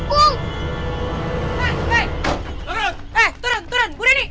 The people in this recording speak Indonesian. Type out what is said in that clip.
eh turun turun buru ini